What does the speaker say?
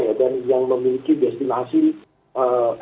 di daerah daerah perusahaan itu adalah pulau jawa ya